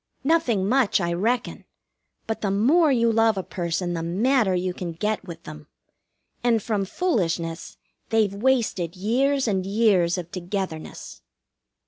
Nothing much, I reckon; but the more you love a person the madder you can get with them. And from foolishness they've wasted years and years of together ness.